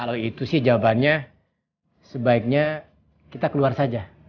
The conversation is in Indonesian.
kalau itu sih jawabannya sebaiknya kita keluar saja